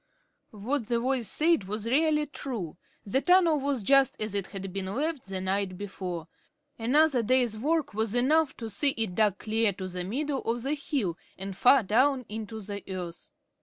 What the voice said was really true. The tunnel was just as it had been left the night before. Another day's work was enough to see it dug clear to the middle of the hill, and far down into the earth.